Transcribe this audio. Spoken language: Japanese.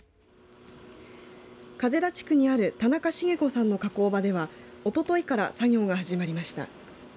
風田地区にある田中茂子さんの加工場ではおとといから作業が始まりました。